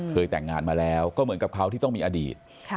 แต่งงานมาแล้วก็เหมือนกับเขาที่ต้องมีอดีต